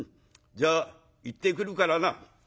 じゃあ行ってくるからな」。